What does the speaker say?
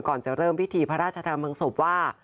ก่อนจะเริ่มพิธีพระราชธรรมศพว่า